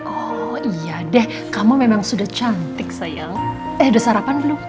oh iya deh kamu memang sudah cantik saya eh udah sarapan belum